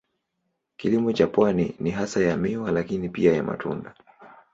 Kilimo cha pwani ni hasa ya miwa lakini pia ya matunda.